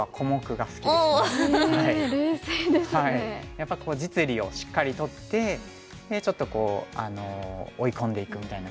やっぱり実利をしっかり取ってでちょっと追い込んでいくみたいな感じの。